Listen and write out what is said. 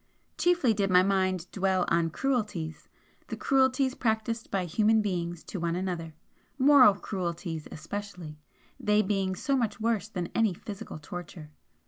Chiefly did my mind dwell on cruelties the cruelties practised by human beings to one another, moral cruelties especially, they being so much worse than any physical torture.